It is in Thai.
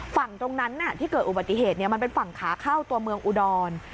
ฝั่งตรงนั้นที่เกิดอุบัติเหตุมันเป็นฝั่งขาเข้าตัวเมืองอุดร